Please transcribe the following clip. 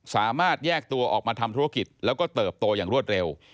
สามารถแยกตัวออกมาทำธุรกิจแล้วก็เติบโตอย่างรวดเร็ว